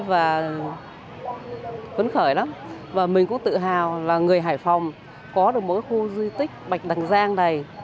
vẫn khởi lắm và mình cũng tự hào là người hải phòng có được một khu di tích bạch đằng giang này